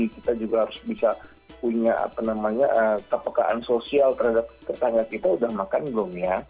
kita juga harus bisa punya kepekaan sosial terhadap tetangga kita udah makan belum ya